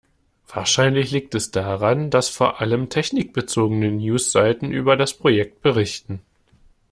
Wahrscheinlich liegt es daran, dass vor allem technikbezogene News-Seiten über das Projekt berichten.